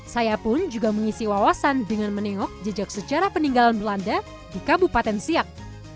saya pun juga mengisi wawasan dengan menengok jejak sejarah peninggalan belanda di kabupaten siak